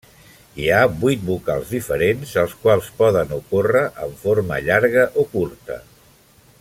Hi ha vuit vocals diferents, els quals poden ocórrer en forma llarga o curta.